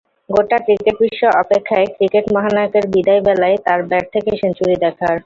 গোটা ক্রিকেটবিশ্ব অপেক্ষায় ক্রিকেট মহানায়কের বিদায় বেলায় তাঁর ব্যাট থেকে সেঞ্চুরি দেখার।